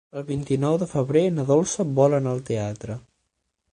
El vint-i-nou de febrer na Dolça vol anar al teatre.